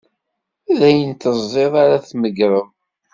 D ayen i teẓẓiḍ ara d-tmegreḍ.